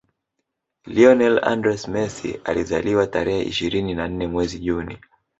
Lionel AndrÃs Messi alizaliwa tarehe ishirini na nne mwezi Juni